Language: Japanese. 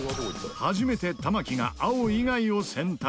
初めて玉木が青以外を選択。